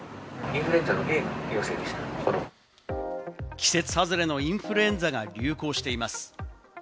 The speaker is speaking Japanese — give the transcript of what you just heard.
季節外れのインフルエンザが流行しています。